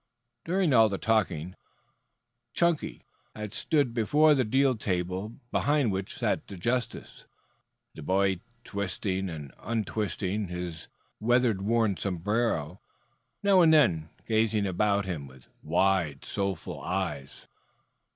During all the talking Chunky had stood before the deal table behind which sat the justice, the boy twisting and untwisting his weather worn sombrero, now and then gazing about him with wide, soulful eyes.